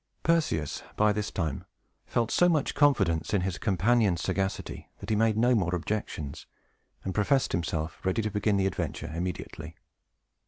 Perseus, by this time, felt so much confidence in his companion's sagacity, that he made no more objections, and professed himself ready to begin the adventure immediately.